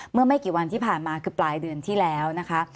เมื่อไม่กี่วันที่ผ่านมาคือปลายเดือนที่แล้วนะคะ